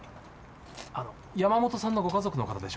あの山本さんのご家族の方でしょうか？